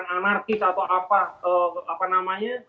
anarkis atau apa namanya